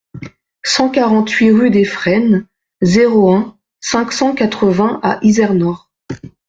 cent quarante-huit rue des Frênes, zéro un, cinq cent quatre-vingts à Izernore